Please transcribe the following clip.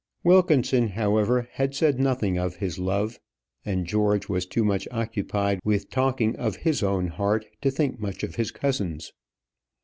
Wilkinson, however, had said nothing of his love, and George was too much occupied with talking of his own heart to think much of his cousin's.